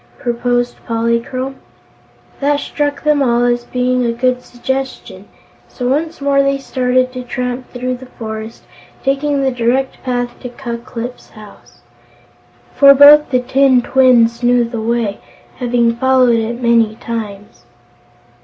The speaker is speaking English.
proposed Polychrome. That struck them all as being a good suggestion, so once more they started to tramp through the forest, taking the direct path to Ku Klip's house, for both the tin twins knew the way, having followed it many times.